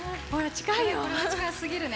近すぎるね。